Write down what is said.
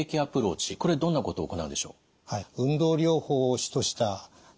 これどんなことを行うんでしょう。